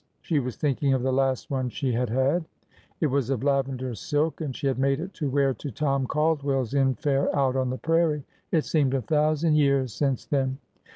She was thinking of the last one she had had. It was of lavender silk, and she had made it to wear to Tom Caldwell's infare out on the prairie. It seemed a thousand years since then!